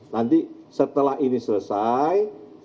nanti setelah ini selesai